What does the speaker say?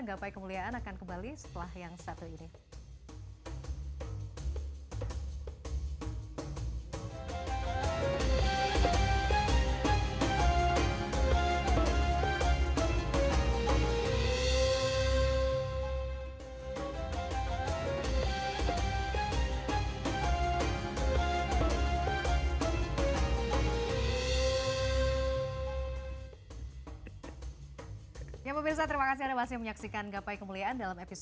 gapai kemuliaan akan kembali setelah yang satu ini